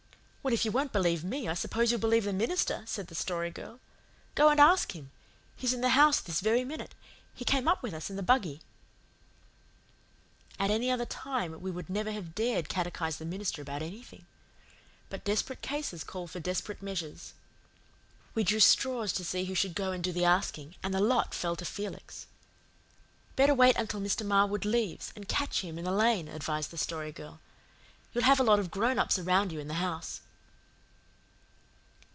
"Well, if you won't believe me, I suppose you'll believe the minister," said the Story Girl. "Go and ask him. He's in the house this very minute. He came up with us in the buggy." At any other time we would never have dared catechize the minister about anything. But desperate cases call for desperate measures. We drew straws to see who should go and do the asking, and the lot fell to Felix. "Better wait until Mr. Marwood leaves, and catch him in the lane," advised the Story Girl. "You'll have a lot of grown ups around you in the house."